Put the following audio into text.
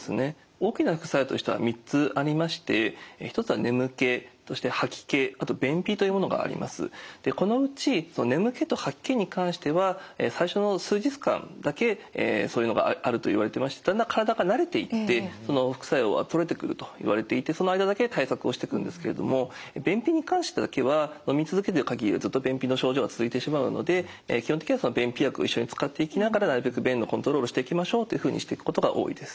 大きな副作用としては３つありましてこのうち眠気と吐き気に関しては最初の数日間だけそういうのがあるといわれてましてだんだん体が慣れていってその副作用は取れてくるといわれていてその間だけ対策をしてくんですけれども便秘に関してだけはのみ続けてる限りはずっと便秘の症状が続いてしまうので基本的には便秘薬を一緒に使っていきながらなるべく便のコントロールをしていきましょうというふうにしていくことが多いです。